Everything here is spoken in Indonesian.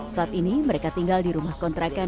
saat ini mereka tinggal di rumah kontrakan